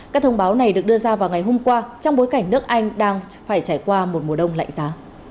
các thông báo này được đưa ra vào ngày hôm qua trong bối cảnh nước anh đang phải trải qua một mùa đông lạnh giá